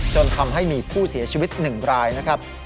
ฝ่ามให้ผู้เสียชีวิต๑รายนะครับ